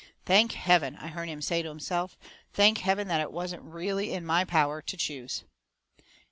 "Thank heaven!" I hearn him say to himself. "Thank heaven that it wasn't REALLY in my power to choose!"